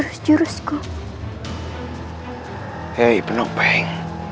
putriku putriku ini ibunda nek